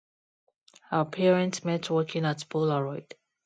Her parents met working at Polaroid.